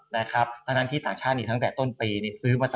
นะครับณที่ต่างชาตินี้ตั้งแต่ต้นปีซื้อมาตลอด